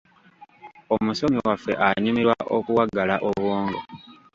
Omusomi waffe anyumirwa okuwagala obwongo.